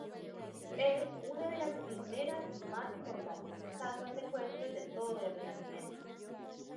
Es una de las primeras y más importantes estatuas ecuestres de todo el Renacimiento.